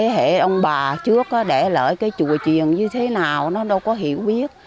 thì ông bà trước để lỡ cái chùa truyền như thế nào nó đâu có hiểu biết